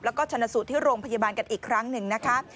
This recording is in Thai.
แล้วก็ชนะสูตรที่โรงพยาบาลกันอีกครั้งหนึ่งนะคะ